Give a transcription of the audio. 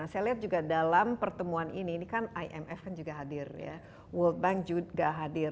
saya lihat juga dalam pertemuan ini ini kan imf kan juga hadir ya world bank juga hadir